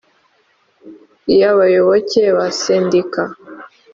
y abayoboke ba sendika